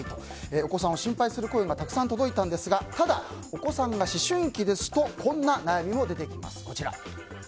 お子さんを心配する声がたくさん届いたんですがただ、お子さんが思春期ですとこんな悩みも出てきます。